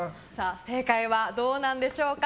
正解はどうなんでしょうか。